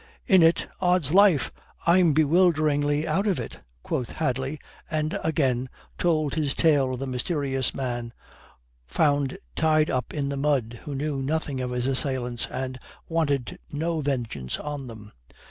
"In it, odds life, I am bewilderingly out of it," quoth Hadley, and again told his tale of the mysterious man found tied up in the mud who knew nothing of his assailants and wanted no vengeance on them.